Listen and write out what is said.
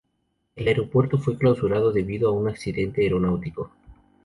El aeropuerto fue clausurado debido a un accidente aeronáutico.